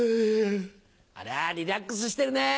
あらリラックスしてるねぇ。